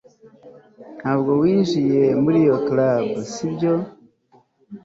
Ntabwo winjiye muri iyo club sibyo